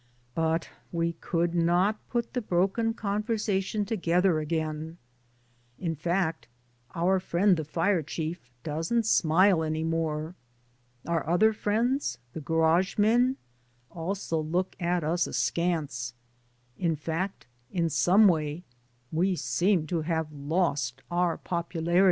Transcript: But we could not put the broken conversation together again. In fact, our friend the fire chief doesn't smile any more. Our other friends, the garage men, also look at us askance ŌĆö ^in fact in some way we seem to have lost our popularity.